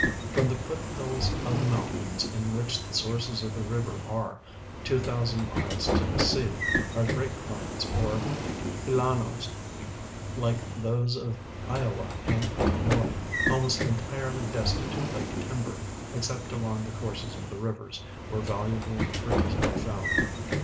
From the foothills of the mountains in Avhich the sources of the river are, tAvo thousand miles to the sea, are great plains or llanos, like those of loAAai and Illinois, almost entirely destitute of timber, exce])t along the courses of the rivers, Avhere A^aluable trees are found.